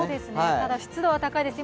ただ湿度は高いです。